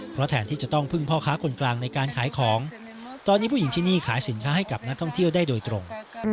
เพราะแทนที่จะต้องพึ่งพ่อค้าคนกลางในการขายของตอนนี้ผู้หญิงที่นี่ขายสินค้าให้กับนักท่องเที่ยวได้โดยตรง